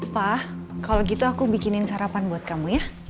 pak kalau gitu aku bikinin sarapan buat kamu ya